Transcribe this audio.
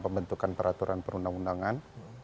pembentukan peraturan perundang undangan